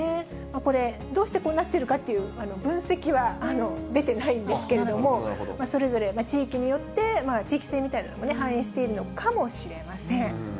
これ、どうしてこうなっているかという分析は出てないんですけれども、それぞれ地域によって、地域性みたいなものを反映しているのかもしれません。